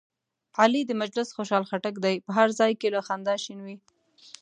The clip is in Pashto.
علي د مجلس خوشحال خټک دی، په هر ځای کې له خندا شین وي.